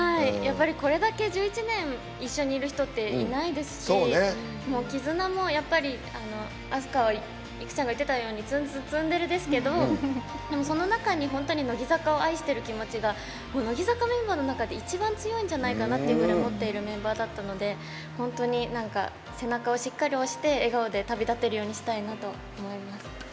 これだけ１１年一緒にいる人っていないですし絆も飛鳥はいくちゃんが言ってたようにツンツンツンデレですけどその中に本当に乃木坂を愛してる気持ちが乃木坂メンバーの中で一番強いんじゃないかなって思っているメンバーだったので本当に、背中をしっかり押して笑顔で旅立てるようにしたいなと思います。